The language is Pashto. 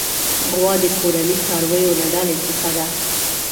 غوا د کورني څارويو له ډلې څخه ده.